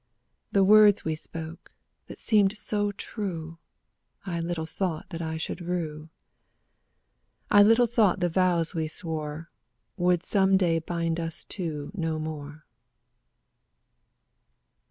The words we spoke, that seemed so true, I little thought that I should rue; I little thought the vows we swore Would some day bind us two no more.